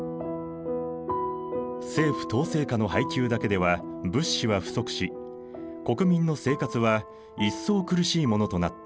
政府統制下の配給だけでは物資は不足し国民の生活は一層苦しいものとなった。